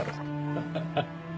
ハハハッ。